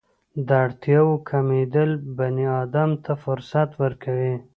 د اړتیاوو کمېدل بني ادم ته فرصت ورکوي.